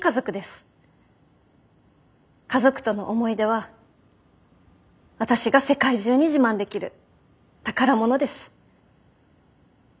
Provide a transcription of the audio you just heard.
家族との思い出は私が世界中に自慢できる宝物です。